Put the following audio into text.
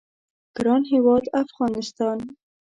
ګران هیواد افغانستان